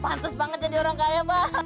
pantas banget jadi orang kaya